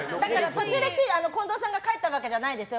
途中で近藤さんが帰ったわけじゃないですよ。